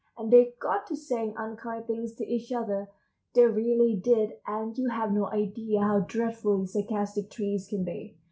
And they got to saying unkind things to each other—they really did—and you have no idea how dreadfully sarcastic trees can be.